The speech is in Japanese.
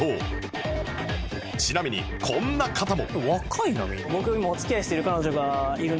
ちなみにこんな方も